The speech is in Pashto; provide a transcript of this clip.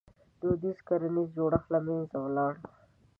• دودیز کرنیز جوړښت له منځه ولاړ.